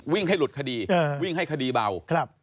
ให้หลุดคดีวิ่งให้คดีเบา